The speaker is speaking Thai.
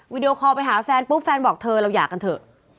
วิดีโอคอลไปหาแฟนปุ๊บแฟนบอกเธอเราหย่ากันเถอะ